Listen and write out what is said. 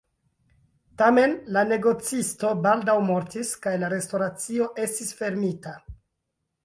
Tamen la negocisto baldaŭ mortis kaj la restoracio estis fermita.